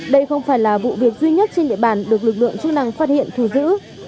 đây không phải là vụ việc duy nhất trên địa bàn được lực lượng chức năng phát hiện thù dữ